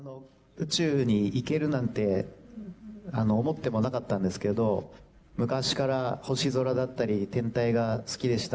宇宙に行けるなんて、思ってもなかったんですけど、昔から星空だったり、天体が好きでした。